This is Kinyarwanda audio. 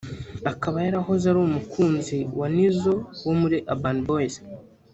akaba yarahoze ari umukunzi wa Nizzo wo muri Urban Boys